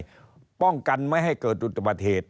เพื่อป้องกันไม่ให้เกิดอุบัติเหตุ